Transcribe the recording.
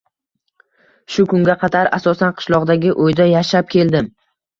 Shu kunga qadar asosan qishloqdagi uyda yashab keldim